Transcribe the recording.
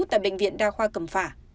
tại bệnh viện đa khoa cẩm phả